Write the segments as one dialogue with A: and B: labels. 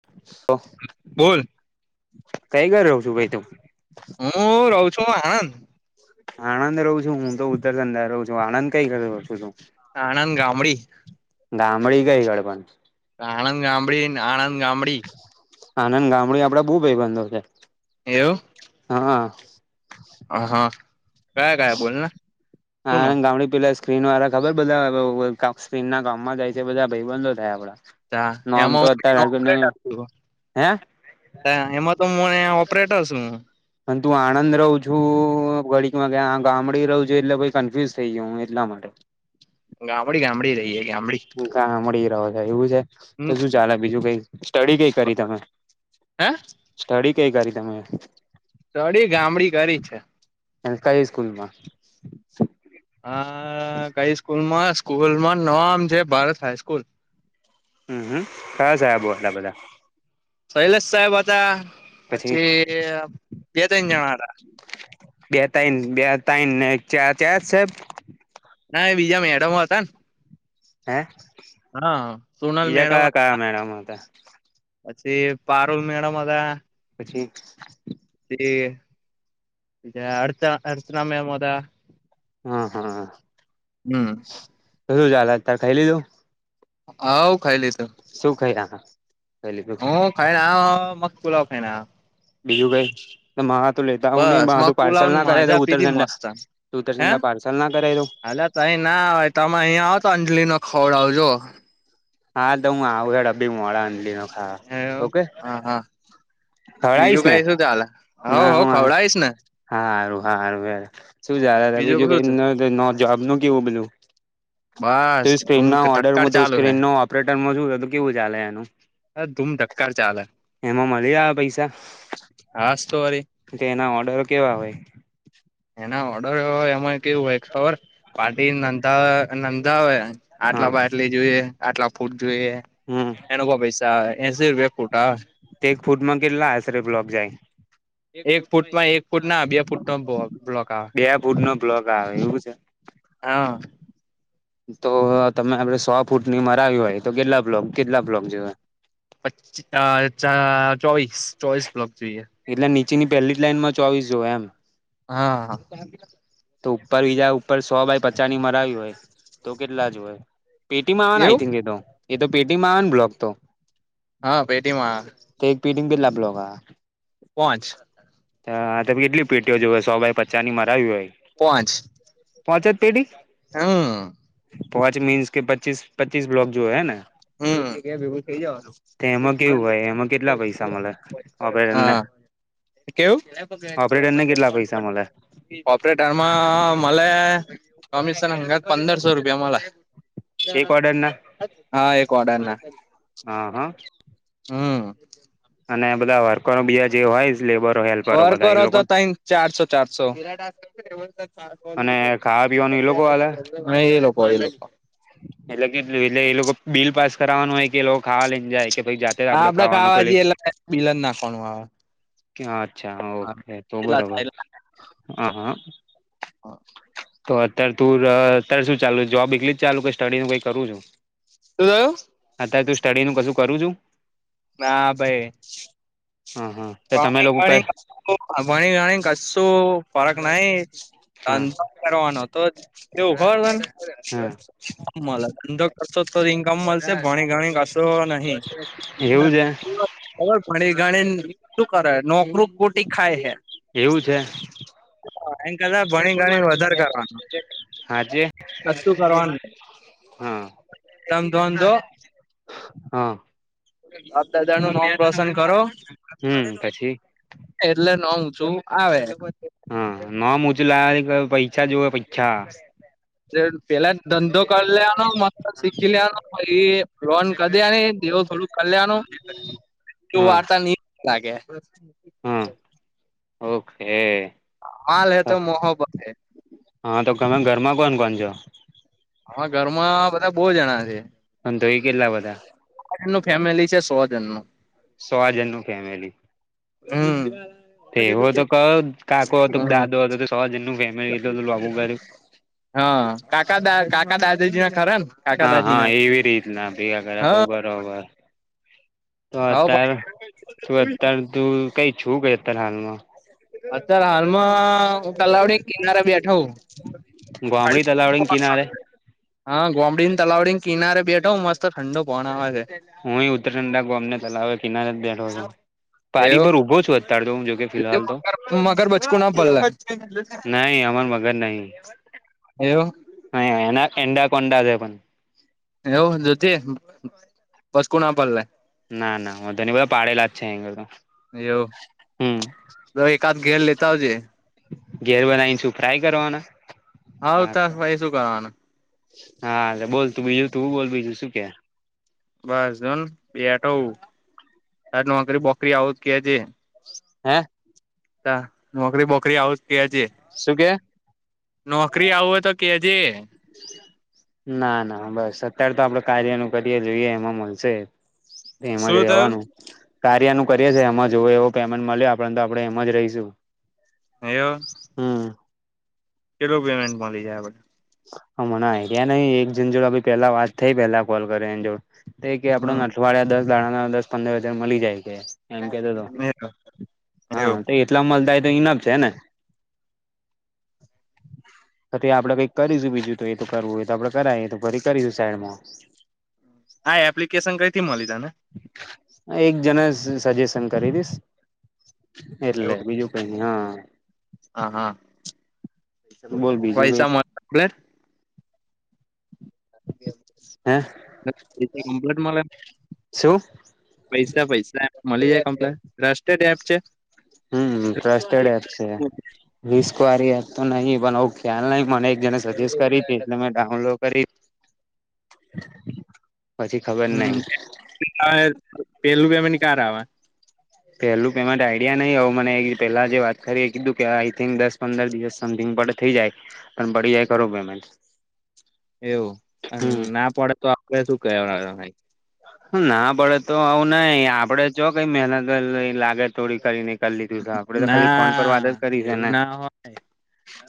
A: [inaudible]
B: બોલ
A: કઈ ઘર રહ છું ભાઈ તું
B: હું રહું છું આણંદ.
A: આણંદ રહું છું હું તો ઉત્તર અંધા રહું છું આણંદ કઈ કર છું તું?
B: આણંદ ગામડી.
A: ગામડી ગઈ ગડ પણ?
B: આણંદ ગામડી ને આનંદ ગામડી.
A: આણંદ ગામડી આપડે બહુ ભાઈબંધો છે.
B: એવું?
A: હહ
B: અહ કયા કયા બોલને?
A: આણંદ ગામ ગામણી પેલા સ્ક્રીન વાળા ખબર બધા બ સ્ક્રીન ના કામમાં જાય છે બધા ભયબંધો થાય આપડા.
B: તા
A: નામ
B: એમાં હું
A: તો
B: કોમ્પ્યુટર નો
A: અત્યારે
B: ઓપરેટર છું.
A: હે
B: તા એમાં તો હું મેં ઓપરેટર સુ.
A: અને તું આણંદ રહું છું ઘડીકમાં કે ગામડી રહું છે એટલે પહી કન્ફ્યુઝ થઇ ગયો હું એટલા માટે.
B: ગામડી ગામડી રહીએ ગામડી.
A: ગામળી રહો છો એવું છે? તો
B: હમ
A: શું ચાલે બીજું કઈ? સ્ટડી કઈ કરી તમે?
B: હે
A: સ્ટડી કઈ કરી તમે?
B: સ્ટડી ગામડી કરી છે.
A: પણ કઈ સ્કૂલમાં?
B: અ કઈ સ્કૂલમાં સ્કૂલમાં નોમ છે ભારત હાઈસ્કૂલ.
A: હમ હમ કયા સાયબો હતા બધા?
B: શૈલેષ સાયબ હતા, પછી બે તન જન હતા.
A: બે તન બે તન ને એક ચાર ચાર સાયેબ?
B: ના એ બીજા મેડમો હતા ન.
A: હે?
B: સોનલ
A: બીજા
B: મેડમ
A: કયા કયા મેડમો હતા?
B: પછી પારૂલ મેડમ હતા.
A: પછી
B: પછી બીજા અર્ચ અર્ચના મેમ હતા.
A: હા હા
B: હમ
A: શું ચાલે અતારે ખઈ લીધું?
B: હોવ ખઈ લીધું.
A: શું ખયા ખાઈ લીધું?
B: ખાઈના આ અ મગપુલાવ ખાઈને આયો.
A: બીજું કઈ ત મારા આતુ લેતા આવું નઇ
B: બસ
A: મારા
B: મગ
A: હતું
B: પુલાવ
A: પાર્સલ
B: ની
A: નાં કરાઈ
B: મજા પીધી
A: ઉતરજનડા.
B: મસ્ત
A: તું ઉત્તર
B: હે
A: જનતા પાર્સલ ના કરાઈ દઉ?
B: હાલ તઈ ના અવાય તમે અયા આવો તો અંજલિ નો ખવડાવું જો.
A: હા તો હું આવું હેડ અબી મોડા અંજલિ નો ખાવા
B: એવું.
A: ઓકે.
B: હા હા બીજું
A: ખવડાવીશ ને?
B: કઈ શું ચાલે હવ
A: ના
B: હવ
A: હું આય
B: ખવડાવીશ ને.
A: હારું હારું હેર શું ચાલે છે બીજું
B: શું
A: કઈ
B: છે
A: નર? નોર નો જોબનું કેવું બધુ? તો
B: બસ
A: ઈ
B: ધૂમ
A: સ્ક્રીનના
B: ધક્કાર
A: ઓર્ડરમાં તો
B: ચાલુ હે
A: સ્ક્રીનનાં ઓપરેટરમાં શું થું કેવું ચાલે એનું?
B: ધૂમ ધક્કાર ચાલે
A: એમાં મલી આવે પૈસા?
B: હાસ તો વરી.
A: તે એના ઓર્ડરો કેવા હોય?
B: એના ઓર્ડર ઓ એમાં કેવું હોય ખબર પાર્ટી નંધા નંધા હોય. આટલા
A: હા
B: બાય આટલી જોઈએ, આટલા ફૂટ જોઈએ.
A: હમ
B: એનકો પૈસા એસી રૂપિયા ફૂટ આવે.
A: તે એક ફૂટમાં કેટલા આસરે બ્લોક જાય?
B: એક ફૂટમાં એક ફૂટ ના બે ફૂટ નો બ્લોક આવે
A: બે ફૂટનો બ્લોક આવે એવું છે?
B: હા
A: તો તમે આપડે સો ફૂટની મરાવી હોય તો કેટલા બ્લોક કેટલા બ્લોક જોએ?
B: પચ અ ચા ચોવીસ ચોવીસ બ્લોક જોઈએ
A: એટલે નીચેની પેલી જ લાઈનમાં ચોવીસ જોએ એમ
B: હા
A: તો ઉપર બીજા ઉપર સો બાય પચાની મરાવી હોય તો કેટલા જોએ પેટી માવાને આઈ
B: એવું
A: થિંક એ તો એ તો પેટીમાં આંવે ને બ્લોક તો
B: હા પેટીમાં આવે
A: તો એક પિટિંગ બિલ લ આપલો, [unintelligible]
B: પોચ
A: હા તમે કેટલી પેટીઓ જોયે સો ભાઈ પચા ની મરાવી હોય.
B: પાંચ.
A: પાચ જ પેરી? પોચ મીન્સ કે પચીસ પચીસ બ્લોક જોએ હે ને
B: હ ક્યા ભેગું થઇ જવાનું
A: એમાં
B: એકી
A: કેવું હોય એમાં કેટલા પૈસા
B: અંદ
A: મળે
B: [unintelligible]
A: ઓપરેટરને
B: હા કેવું?
A: ઓપરેટરને કેટલા પૈસા મળે
B: ઓપરેટર માં મ અલે કમીશન હંગાત પંદરસો રૂપિયા મલે
A: એક ઓર્ડર ના
B: હા એક ઓર્ડર ના
A: હા હા.
B: હમ
A: અને બધા વર્કરો બીજા જે હોય લેબર
B: વર્ક કરો તો ત્રણ ચારસો ચારસો
A: અને ખાવા પીવાનું ઈ લોકો આલે.
B: કઈ લોકો એ લોકો
A: એટલે કેટલું એટલે એ લોકો બિલ પાસ કરાવાનું હોય કે એ લોકો ખાવા લઈ જાય કે પછી જા
B: હા આપડે ખાવા જએટ બિલન નાખવાનું આવે.
A: અચ્છા ઓકે તો
B: કેટલા
A: બરોબર
B: થાય
A: હા હા. તો અત્યારે તું અત્યારે શું ચાલુ જોબ એકલી જ ચાલુ કે સ્ટડી નુ કઈ કરું છું.
B: હમમ.
A: અત્યારે તું સ્ટડી નું બધું કરું છુ.
B: ના ભાઈ
A: હમમ હમમ.
B: ભણી ગણી ભણી ગણી ને કસુ ફરક નઈ.
A: હા
B: ધંધો કરવાનો તો કેવું ખબર
A: હા
B: તને ધંધો કરશો તો ઈન્કમ મળશે ભણી ગણી ને કસો તો નહી
A: એવું છે
B: ભણી ગણીને શું કરે નોકરુ પ ખાય છે
A: એવું છે
B: એમ [unintelligible] ભણી ગણી વધારે કરવાનું
A: સાંજે
B: કશું કરવાનું
A: [unintelligible] હા
B: ધમ ધોમ દો
A: [unintelligible] હા
B: બાપ દાદા નું નામ રોશન કરો
A: હમ પછી
B: એટલે નામ શુ આવે
A: હા, નામ ઉચુ લાવા પૈસા જુવે પૈસા
B: પેહલા જ ધંધો કરી લેવાનો મસ્ત શીખી લેવાનુ પછી [unintelligible] તો
A: હા
B: વાર્તા ની લાગે,
A: હા ઓકે
B: હાલ હૈ તો મોહબત હૈ
A: હા, તો તમે ઘરમાં કોણ કોણ છો?
B: આમાં ઘરમાં બધા બહુ જણા છે
A: અને તોએ કેટલા બધા
B: નું ફેમિલી છે સો જન નું
A: સો જન નું ફેમિલી
B: હ્મ
A: એવો તો કયો કાકો હતો કે
B: હમ
A: દાદો હતો તો સો જનનું ફેમિલી કર્યું આટલુ બધું
B: હા કાકા દા કાકા દાદીજી ખરા ને કાકા
A: હા
B: દાદી ના
A: હા એવી રીતના ભેગા કર્યા તો
B: હા
A: બરોબર [unintelligible]
B: હ
A: અત્યારે હાલમાં
B: અત્યારે હાલમાં તલાવડી કિનારા બેઠવ
A: ગોમડી તલાવડી કિનારે
B: હા ગોમડી ને તલાવડી ને કિનારે બેઠો મસ્ત ઠંડો પણણ આવે છે
A: હું ઉતર ંડા ગોમને તલાવે કિનારે જ બેઠો
B: છે
A: પારિ
B: એવો
A: પર ઉભો છું અત્યારે તો હું જો કે ફિહાલ તો
B: મગર બચકુ ના પલ્લે
A: નહી અમાર મગર નહી
B: એવું
A: હહી એ એડા કોડા જે પણ
B: એવું જધ બસ કોુ ના પડલે
A: ના ના હ ધની બધા પાડેલા જ છે અહી
B: એવું
A: હમ
B: એકાદ ઘેર લેતા આવજે
A: ઘેર બધા ઇંચું ફ્રાય કરવાના
B: હાત
A: હા
B: ભાઈ શું કરવાનું
A: હા એટલે બોલ તું બીજું તુંું બોલ બીજું શું કે
B: બસ જોન બેઠ તાર નોકરી બોકરી આવજ કે છે
A: હા
B: નોકરી બોકરી આવું કે છે
A: શું કે
B: નોકરી આવુંય તો કેજે
A: ના ના બસ અત્યારે તો આપડે કાર્યનું કરીએ જોઈએ એમાં મળશે એમ જ
B: શું
A: રેવાનું
B: થયું
A: કાર્યનું કરીએ છે એમાં જવ એવો પેમેન્ટ મળ્યો આપ તો આપડણે એમ જ રહીશું
B: એવું
A: હમ
B: કેેલો પેમેન્ટ મળી જાય
A: હ મને એ રહયા નહી એક જેન જોડે પેલા વાત થઈ પેલા કોલ કરે એ જોડ એ કે આપડ વાળ દસ દાણા ના દસ પંદર હજાર મળી જાય છે એમ કેતો તો
B: હમ
A: હા
B: એવું
A: ટલા મલદ તો ઈનમ છે ને પછી આપડે કઈક બીજું બીજું તો એ તો કરવું હોય તો આપડે કરાય તો ફરી કરીશું સાઈડમાં
B: હા એપ્લિકેશન કઈ થી મળી તા ને
A: એક જણ સજેશન કરી દીશ એટલે
B: એવું
A: બીજું કઈ હા
B: હા હા
A: બોલ
B: પ
A: બીજું કઈ
B: પૈસા આપર
A: હે
B: કંપ્લીટ મળે
A: શું
B: પૈસા પૈસા મળી જાય કમ્પ્લે ટ્રસ્ટતેડ એપ છે
A: હમ ટસ્ટેડ છે રિસ્ક વાળ એ તો નહી પણ ખ્યાલ નહ મને જેને સજેસ્ટ કરી તેને મે ડાઉનલોડ કરી પછી ખબર નહી
B: હમ પેલું કેમેને ક આવેવા
A: પેલું પ આઈડિયા નહિ હ મને પેલા જે વાત કરી એ કીધું કે આઈ થિંક દસ પંદર દિવસ સમિંગ બડ થઇ જાય પણ બડીી જાય ખો
B: એવું
A: હમ
B: ના પડે તો આપે શું કવા
A: ના પડે તો આવું નાઈ આપડે જોો કઈ મહેનત લાગે થોડી કરીને કરી લીધું છે આપડે તો ખાલી ફોન પર વાત જ
B: ના
A: કરી છે
B: એવું
A: ને
B: ના હોય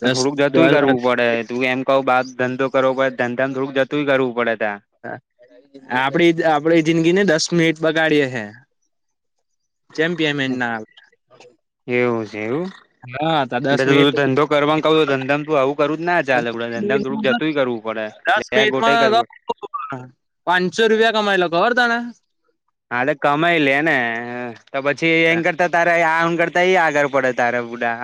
B: દસ
A: થોડુંક જતું
B: દસ
A: કરવું પડે ત એમ કઉ બા ધંધો કરવો પડ ધંધા થોડુંક જતું કરવું પડે ત્યા
B: આપડી આપડી જિંદગીને દસ મિનિટ પગાડીએે છે ચેમ્પિય ના
A: એવું છે એવું
B: હા તો દસ મિનિટ
A: ધંધો કરવા ક ધંધમ તું આવું કરું જ ના જ ચાલડ ધંધમ થોડું જતું કરું
B: દસ
A: પે્યા ગોટે
B: મિનિટમાં
A: કરવ પડે
B: પાંચસો રૂપિયા કમાયલા ખબર તણા
A: હાલે કમાઈ લે ને તો પછી એમ કરતા તારે આ કરતા આગળ પડે તાર બુા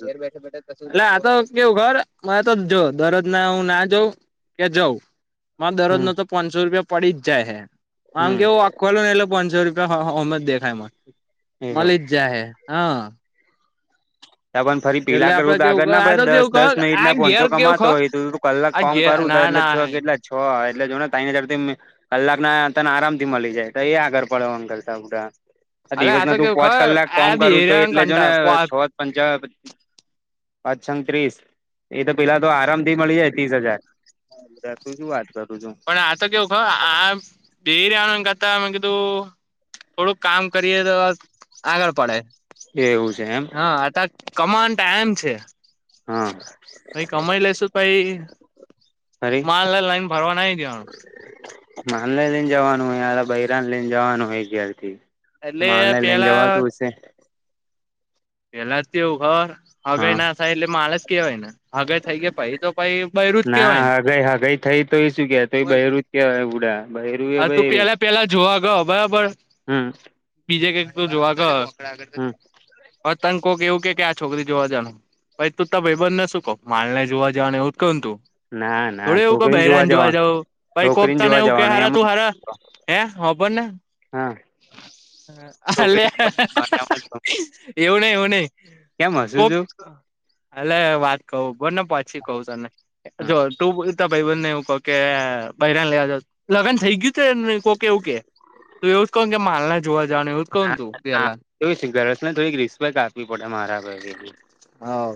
B: ગેર બેઠા બેઠ એટ આ તો કેવું ઘર હ તો જો દરરોજ ના હું ના જઉં કે જઉં મા દરરોજ
A: હમ
B: નો તો પાંચસો રૂપિયા પડી જ જાય હ આમ
A: હમ
B: કેવું ખોલો ને એલો પાંચસો રૂપિયામ જ દેખાય
A: એવું
B: મળી જ જાય હે હા
A: એ ફરી
B: એટલે
A: પીલા
B: આપડે
A: કરવું તો
B: કેવું
A: આગળ
B: ક
A: ના
B: આ તો
A: પડે દસ
B: કેવું ક
A: દસ
B: આ
A: મિનટ
B: ઘેર
A: પહંચો
B: કેવું
A: કમાતો
B: ખ
A: હોય ત કલાક
B: આ
A: ફમ
B: ઘેર
A: કરું ત
B: ના
A: એટલે
B: ના
A: છ કેટલા છ એટલે જોને તૈન હજારથી કલાક ના તને આરામ થી મળી જાય તો એ આગળ પડવામ કરતાડા
B: અરે
A: દિવસ
B: આ
A: ના
B: તો
A: તું
B: કેવું
A: પોચ
B: ખબર
A: કલાક કોમ
B: આ
A: કરું તો
B: બેરિયાને
A: એટલે જો
B: કંટા
A: ને
B: પણ
A: છ. પંચ પાચ છંગ ત્રીસ એ તો પેલા તો આરામ મળી જાય ત્રીસ હજાર તું શું વાત કરું છું.
B: પણ આતો કેવું ખ આ બેેરીણ ગાતા મેં કધું થોડુંક કામ કરીએ તો આગળ પડે
A: એવું છે એમ
B: હા આ કામનો ટાઇમ એમ છે.
A: હા.
B: પાઈ કમાઈ લસુ પાઈ
A: અરે
B: માલ લઈને ફરવા નાઈ દેવાનું
A: માલ લઈને જવાનું હોય બૈરાને લઈને જવાનું હોય ગ્યારથી
B: એટલે
A: માલ ને લઈને જવા
B: પેલા
A: તુંશે
B: પેલા તેવું ઘર હગે
A: હા
B: ના થાય એટલે માળ જ કેવાય ને હગા થઈ ગયા પાઈ તો પ બયરુંજ કેવાય ને
A: હઈ હા ગઈ થઈ તો એ શું કે તો બર જ કેવાય ઉડા બૈરું એ
B: હા તું
A: બૈરું
B: પેલા પેલા જોવા ગયો બરાબર
A: હમ
B: બીજે કઈક ત જોવા ક
A: હમ
B: પતંગ કોક એવું કે કે આ છોકરી જોવા જવાનું ભાઈ તું ત ભાઈ બનને શું કહ માલ ને જોવા જવાનુંને એવું જ કહું તું
A: ના ના
B: થોડું એવું ક
A: છોકરીને
B: બહેરાન જોવા
A: જવાનું
B: જાવ પણ એક
A: છોકરીને
B: વખત ને
A: જોવા
B: એવું કે
A: જવાનું
B: હારા
A: એમ
B: ભાાર હે હબરને
A: હા
B: હ હલે
A: છોકરી
B: એવ ન એવ ન
A: કેમ હસું
B: કોક
A: છું
B: એલે વાત કવ બો ને પછી કહું તને જો તું બતા ભાઈ બંધ ને એવું કહ કે બૈરાને લેવા જ લગ્ન થઈ ગયું છેને કોકે એવું કે તો એવું જ કહ કે માલ ના જોવા જવા એવ
A: ગસને થોડીક રિસ્પેક્ટ આપવી પડે મારા
B: હા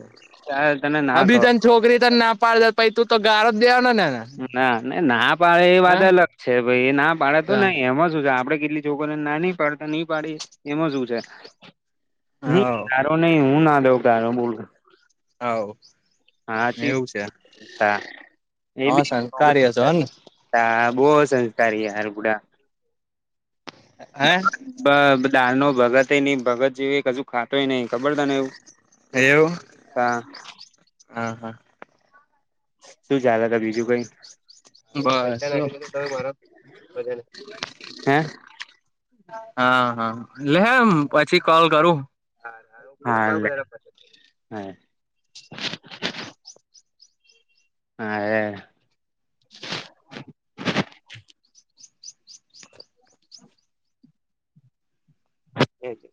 A: ચાર તને ના
B: અભી
A: કો
B: તને છોકરી તો ના પાડ પછ તું તો ગારો જ દેવાનો નેને
A: ના ના પાડે એ વાત અલગ છે ભાઈ એ ના પાડે તો નઈ એમાં શું છે આપડે કેટલી જો કોને ના ન પાડતા નહી પાડી એમાં શું છે. નહી તારો નહી હું ના દઉ કારો બોલ
B: હવ એવું છે
A: હા એ
B: હવ
A: બી
B: સંસ્કારી હશો હને
A: બહ સંસ્કારી હાલગુડા
B: હે
A: બ દાલ ન ભગત નહ ભગત જેવી કજુ ખાતોય નહ ખબર ત ને એવું
B: એવું
A: હા
B: હા હા
A: શું ચલે હતા બીજું કઈ
B: મારો બને
A: હે
B: હા હા લેમ પછી કોલ કરું
A: હાલે હા હા
B: [inaudible] એ જ